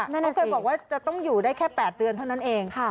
ไม่เคยบอกว่าจะต้องอยู่ได้แค่๘เดือนเท่านั้นเอง